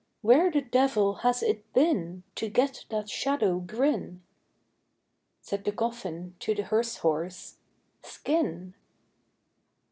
Where the devil has it been To get that shadow grin?" Said the coffin to the hearse horse, "Skin!"